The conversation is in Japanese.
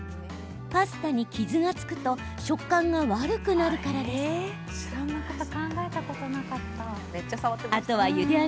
パスタに傷がつくと食感が悪くなるからです。